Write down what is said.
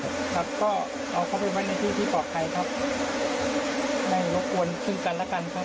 และก็เอาเข้ามือไว้ในที่ปลอดภัยครับร่วงพวงตึงกันแล้วกันครับ